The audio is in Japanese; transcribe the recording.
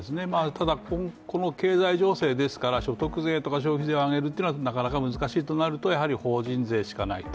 ただ、この経済情勢ですから所得税とか消費税を上げるっていうのはなかなか難しいとなると、やはり法人税しかないと。